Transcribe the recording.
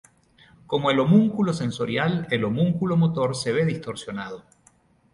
Como el homúnculo sensorial, el homúnculo motor se ve distorsionado.